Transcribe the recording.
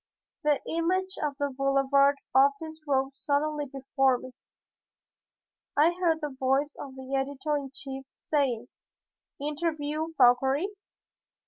The image of the Boulevard office rose suddenly before me. I heard the voice of the editor in chief saying, "Interview Fauchery?